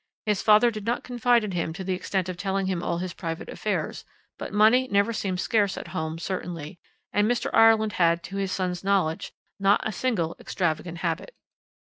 His father did not confide in him to the extent of telling him all his private affairs, but money never seemed scarce at home certainly, and Mr. Ireland had, to his son's knowledge, not a single extravagant habit.